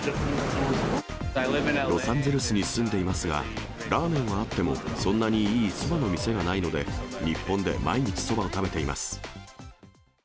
ロサンゼルスに住んでいますが、ラーメンはあっても、そんなにいいそばの店がないので、日本で毎日そばを食べています。